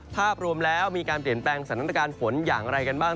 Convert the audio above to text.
ภาพรวมแล้วมีการเปลี่ยนแปลงสถานการณ์ฝนอย่างไรกันบ้าง